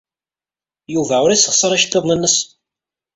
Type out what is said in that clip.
Yuba ur yessexṣar iceḍḍiḍen-nnes.